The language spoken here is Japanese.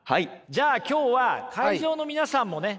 じゃあ今日は会場の皆さんもね